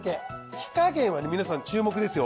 火加減は皆さん注目ですよ。